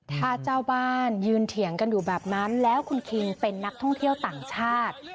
ถ้าเจ้าบ้านยืนเถียงกันอยู่แบบนั้นแล้วคุณคิงเป็นนักท่องเที่ยวต่างชาติ